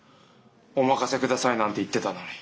「お任せください」なんて言ってたのに。